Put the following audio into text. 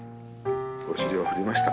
お尻を振りました。